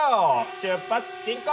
出発進行！